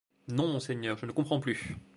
Non, monseigneur, je ne comprends plus.